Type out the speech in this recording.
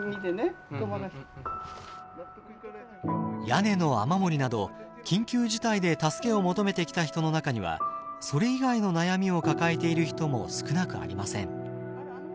屋根の雨漏りなど緊急事態で助けを求めてきた人の中にはそれ以外の悩みを抱えている人も少なくありません。